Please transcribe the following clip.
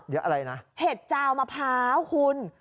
เดี๋ยวอะไรนะเห็ดจาวมะพร้าวคุณ